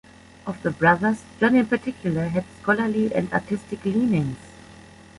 Of the brothers, John in particular had scholarly and artistic leanings.